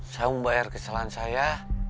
saya mau bayar kesalahan saya